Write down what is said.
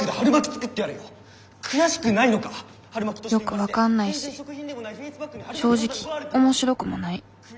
よく分かんないし正直面白くもない。